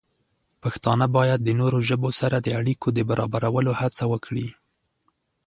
پښتانه باید د نورو ژبو سره د اړیکو د برابرولو هڅه وکړي.